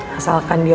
asalkan dia orangnya